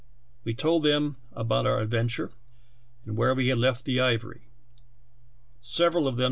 We told them about our adventure and where we had left the ivory ; several of them